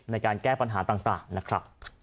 ในการแก้ปัญหาต่างนะครับ